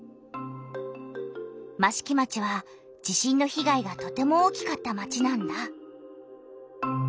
益城町は地震の被害がとても大きかった町なんだ。